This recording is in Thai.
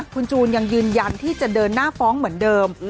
คุณจูนยังยืนยันที่จะเดินหน้าฟ้องเหมือนเดิม